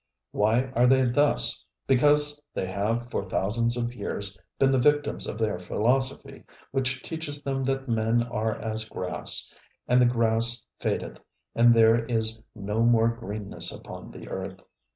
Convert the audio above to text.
Why are they thus? Because they have for thousands of years been the victims of their philosophy, which teaches them that men are as grass, and the grass fadeth, and there is no more greenness upon the earth.